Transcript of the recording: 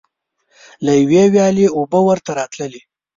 له یوې ویالې اوبه ورته راتللې.